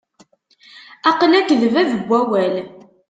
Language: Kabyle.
Aql-ak d bab n wawal.